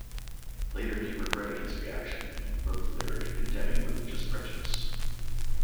Later he regretted his reaction, and wrote the lyric condemning religious prejudice.